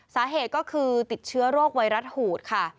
สาเหตุก็คือติดเชื้อโรคไวรัสหูดค่ะ